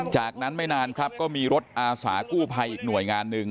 จากนั้นไม่นานครับก็มีรถอาสากู้ภัยอีกหน่วยงานหนึ่ง